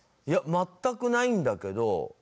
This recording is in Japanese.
いや全くないんだけど。